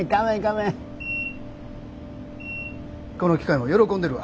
この機械も喜んでるわ。